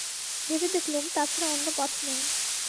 ভেবে দেখলুম তা ছাড়া অন্য পথ নেই।